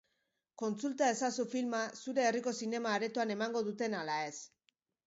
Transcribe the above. Kontsulta ezazu filma zure herriko zinema-aretoan emango duten ala ez.